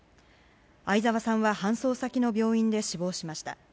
相沢さんは搬送先の病院で死亡しました。